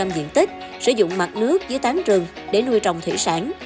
ba mươi diện tích sử dụng mặt nước dưới tán rừng để nuôi trồng thủy sản